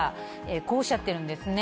こうおっしゃってるんですね。